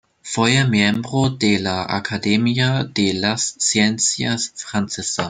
Fue miembro de la Academia de las Ciencias Francesa.